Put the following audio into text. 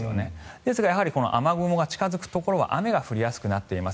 ですが、やはりこの雨雲が近付くところは雨が降りやすくなっています。